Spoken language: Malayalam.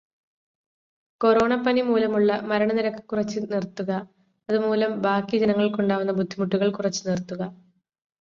"കൊറോണപ്പനി മൂലമുള്ള മരണനിരക്ക് കുറച്ചു നിർത്തുക, അതുമൂലം ബാക്കി ജനങ്ങൾക്കുണ്ടാക്കുന്ന ബുദ്ധിമുട്ടുകൾ കുറച്ചു നിർത്തുക."